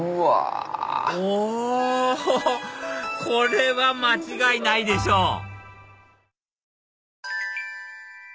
これは間違いないでしょ！